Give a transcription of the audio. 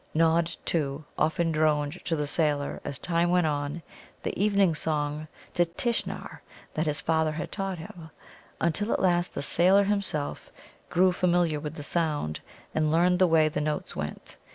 Nod, too, often droned to the sailor, as time went on, the evening song to Tishnar that his father had taught him, until at last the sailor himself grew familiar with the sound, and learned the way the notes went.